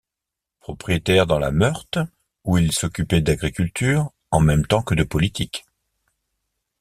Propriétaire dans la Meurthe, où il s'occupait d'agriculture, en même temps que de politique.